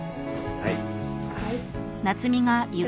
はい。